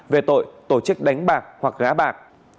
về tội tổ chức đánh bạc hoặc gá bạc